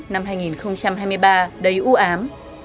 năm hai nghìn hai mươi ba đầy ưu ám